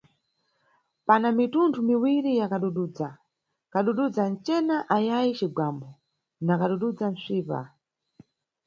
Pana mitundu miwiri ya kadududza: kadududza ncena ayayi cigwambo na kadududza psipa.